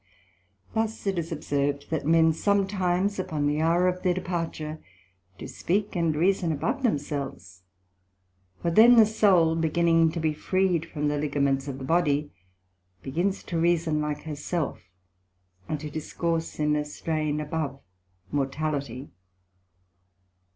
Thus it is observed, that men sometimes upon the hour of their departure, do speak and reason above themselves; for then the soul beginning to be freed from the ligaments of the body, begins to reason like her self, and to discourse in a strain above mortality.